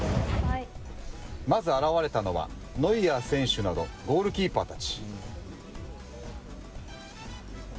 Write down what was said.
まず現れたのは、ノイアー選手などゴールキーパーたち。